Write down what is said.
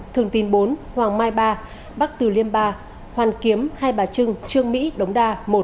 thường tín bốn hoàng mai ba bắc từ liêm ba hoàn kiếm hai bà trưng trương mỹ đống đa